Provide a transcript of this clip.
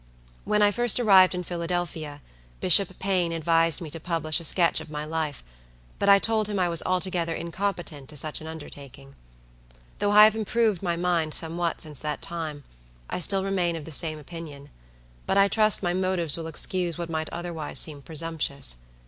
When I first arrived in Philadelphia, Bishop Paine advised me to publish a sketch of my life, but I told him I was altogether incompetent to such an undertaking. Though I have improved my mind somewhat since that time, I still remain of the same opinion; but I trust my motives will excuse what might otherwise seem presumptuous.